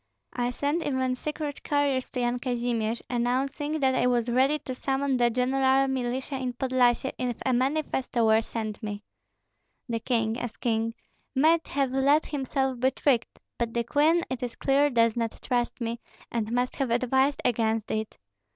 I sent even secret couriers to Yan Kazimir, announcing that I was ready to summon the general militia in Podlyasye if a manifesto were sent me. The king, as king, might have let himself be tricked; but the queen it is clear does not trust me, and must have advised against it.